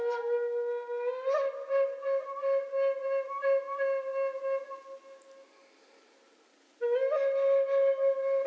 สวัสดีครับ